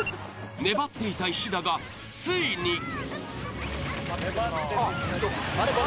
粘っていた石田がついに。